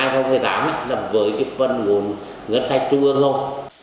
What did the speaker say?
là với cái phần nguồn ngân sách trưa luôn